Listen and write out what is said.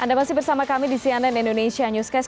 anda masih bersama kami di cnn indonesia newscast